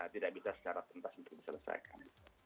tidak bisa secara tuntas untuk diselesaikan